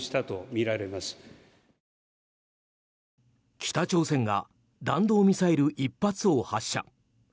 北朝鮮が弾道ミサイル１発を発射。